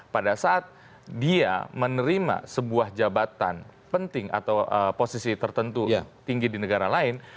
pada saat dia menerima sebuah jabatan penting atau posisi tertentu tinggi di negara lain